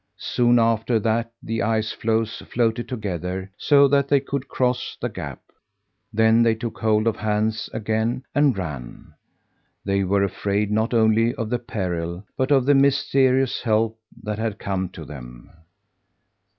Soon after that the ice floes floated together, so that they could cross the gap. Then they took hold of hands again and ran. They were afraid not only of the peril, but of the mysterious help that had come to them.